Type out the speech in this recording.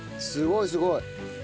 すごいすごい。